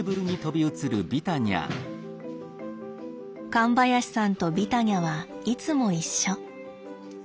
神林さんとビタニャはいつも一緒。